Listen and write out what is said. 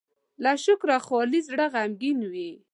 له شکره خالي زړه غمګين وي.